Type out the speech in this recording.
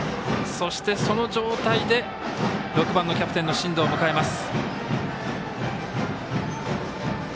そして、その状態で６番のキャプテン進藤を迎えます。